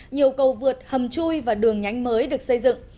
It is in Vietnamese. nhiều cầu vượt hầm chui và đường nhánh mới được xây dựng